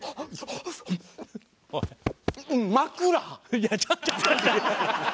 いやちょっとちょっと！